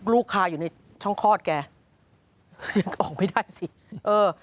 ก็ลูกค่าอยู่ในช่องคลอดแกออกไม่ได้สิ